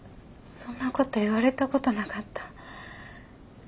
そんなこと言われたことなかった。